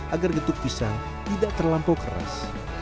agar getuk pisang tidak terlampau keras